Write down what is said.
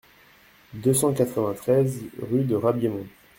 deux cent quatre-vingt-treize rue de Rabiémont